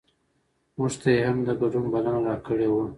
مونږ ته یې هم د ګډون بلنه راکړې وه.